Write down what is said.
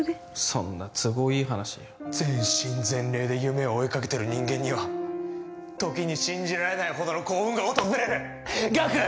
そんな都合いい話全身全霊で夢を追いかけてる人間には時に信じられないほどの幸運が訪れるガク！